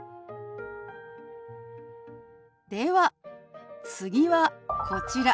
では次はこちら。